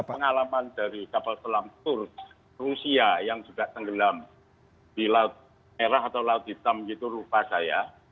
pengalaman dari kapal selam tour rusia yang juga tenggelam di laut merah atau laut hitam gitu rupa saya